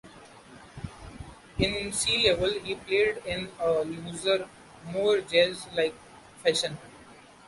In Sea Level he played in a looser, more jazz-like fashion.